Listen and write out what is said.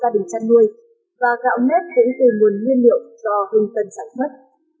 đồng chăn nuôi và gạo nếp cũng từ nguồn nguyên liệu do hưng tân sản xuất